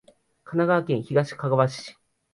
香川県東かがわ市